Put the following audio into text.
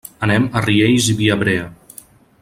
Anem a Riells i Viabrea.